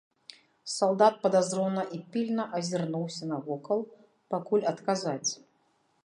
Салдат падазрона і пільна азірнуўся навокал, пакуль адказаць.